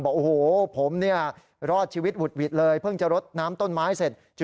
บอกโอ้โหผมเนี่ยรอดชีวิตหวุดหวิดเลยเพิ่งจะรดน้ำต้นไม้เสร็จ